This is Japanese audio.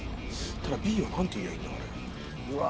ただＢは何て言えばいいんだうわ